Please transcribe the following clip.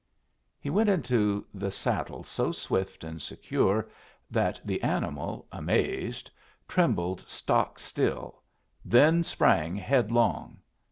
He went into the saddle so swift and secure that the animal, amazed, trembled stock still, then sprang headlong.